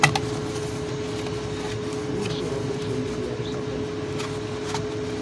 Non soa moi familiar esa cantiga?